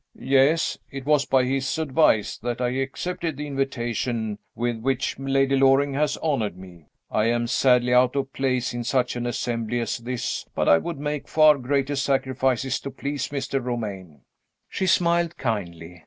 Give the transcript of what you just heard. "Yes. It was by his advice that I accepted the invitation with which Lady Loring has honored me. I am sadly out of place in such an assembly as this but I would make far greater sacrifices to please Mr. Romayne." She smiled kindly.